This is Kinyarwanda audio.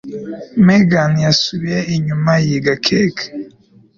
Megan yasubiye inyuma yiga keke.